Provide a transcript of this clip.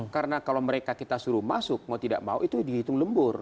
karena kalau mereka kita suruh masuk mau tidak mau itu dihitung lembur